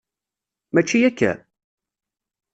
Mačči akka?